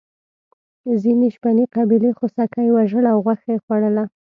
ځینې شپنې قبیلې خوسکي وژل او غوښه یې خوړله.